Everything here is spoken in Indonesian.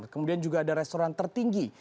kemudian juga ada restoran tertinggi